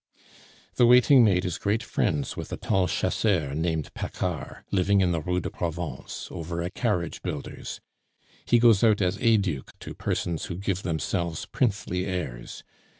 "The waiting maid is great friends with a tall chasseur named Paccard, living in the Rue de Provence, over a carriage builder's; he goes out as heyduque to persons who give themselves princely airs.